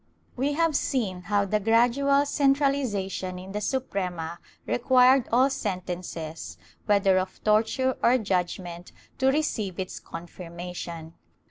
^ We have seen how the gradual centralization in the Suprema required all sentences, whether of torture or judgement, to receive its confirmation.